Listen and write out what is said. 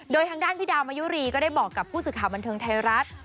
โดยทางด้านพี่ดาวมายุรีก็ได้บอกกับผู้สื่อข่าวบันเทิงไทยรัฐ